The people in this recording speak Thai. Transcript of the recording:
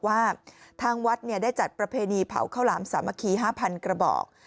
ว่าทางวัดได้จัดประเพณีเผาข้าวหลามสามัคคี๕๐๐กระบอก